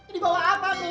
nah ini dia